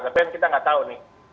tapi kan kita nggak tahu nih